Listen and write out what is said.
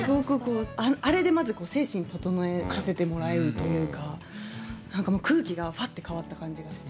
あれでまず精神整えさせてもらえるというか、空気がぱっと変わった感じがして。